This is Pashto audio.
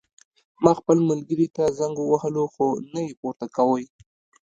ما خپل ملګري ته زنګ ووهلو خو نه یې پورته کوی